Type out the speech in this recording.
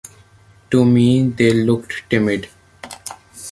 To me, they looked timid.